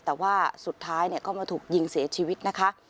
แต่ว่าสุดท้ายก็มาถูกยิงเสียชีวิตนะคะ